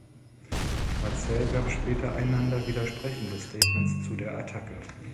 Mazel gab später einander widersprechende Statements zu der Attacke.